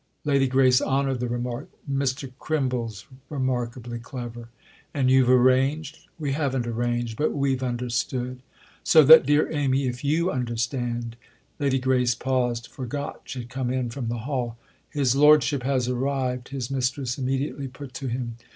Lady Grace honoured the remark. "Mr. Crim ble's remarkably clever." "And you've arranged——?" "We haven't arranged—but we've understood. So that, dear Amy, if you understand—!" Lady Grace paused, for Gotch had come in from the hall. "His lordship has arrived?" his mistress immediately put to him.